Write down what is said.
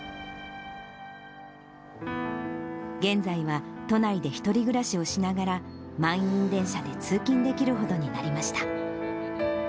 現在は都内で１人暮らしをしながら、満員電車で通勤できるほどになりました。